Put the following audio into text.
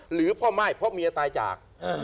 หรือเพราะไม่เพราะเมียตายจาก